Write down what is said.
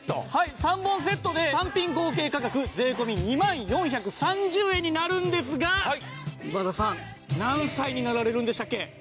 ３本セットで単品合計価格税込２万４３０円になるんですが今田さん何歳になられるんでしたっけ？